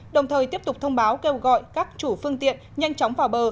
đồng thời tiếp tục thông báo kêu gọi các chủ phương tiện nhanh chóng vào bờ